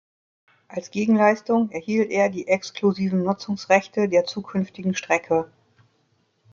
Als Gegenleistung erhielt er die exklusiven Nutzungsrechte der zukünftigen Strecke.